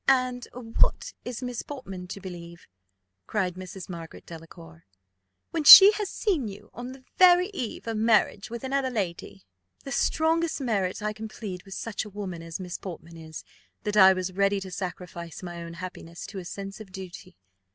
"And what is Miss Portman to believe," cried Mrs. Margaret Delacour, "when she has seen you on the very eve of marriage with another lady?" "The strongest merit I can plead with such a woman as Miss Portman is, that I was ready to sacrifice my own happiness to a sense of duty.